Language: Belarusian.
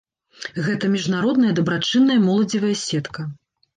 Гэта міжнародная дабрачынная моладзевая сетка.